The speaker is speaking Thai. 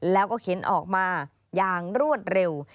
แล้วก็ขิงออกมายางรวดเร็ว